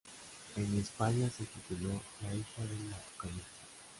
En España se tituló "La hija del Apocalipsis".